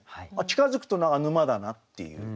近づくと沼だなっていう。